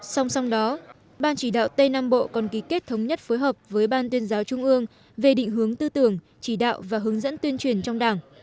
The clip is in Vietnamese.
song song đó ban chỉ đạo tây nam bộ còn ký kết thống nhất phối hợp với ban tuyên giáo trung ương về định hướng tư tưởng chỉ đạo và hướng dẫn tuyên truyền trong đảng